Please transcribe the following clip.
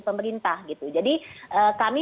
pemerintah jadi kami